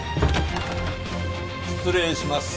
失礼します。